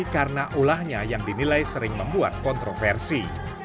karena ulahnya yang dinilai sering membuat kontroversi